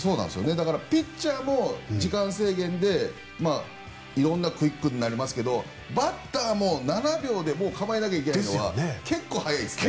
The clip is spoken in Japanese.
ピッチャーも時間制限で色んなクイックになりますけどバッターも７秒で構えなきゃいけないのは結構早いです。